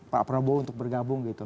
pak prabowo untuk bergabung gitu